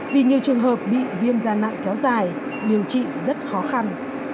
vì nhiều trường hợp bị viêm gian nặng kéo dài điều trị rất khó khăn